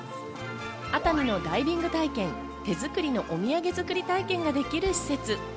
熱海のダイビング体験、手作りのお土産作り体験ができる施設。